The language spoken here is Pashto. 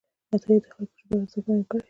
عطايي د خلکو د ژبې ارزښت بیان کړی دی.